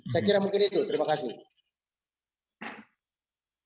saya kira mungkin itu terima kasih